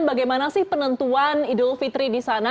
bagaimana sih penentuan idul fitri di sana